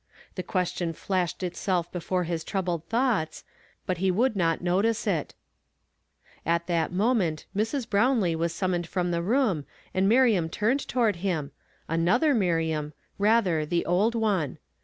The question fla!:;hed itself before his troubled thoughts, but he would not notice it; at tliat moment Mi s. Brownlee was summoned from the room, and Miriam turned toward him, another Miriam, rather, the old one.